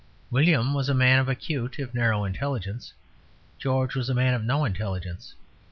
William was a man of acute if narrow intelligence; George was a man of no intelligence.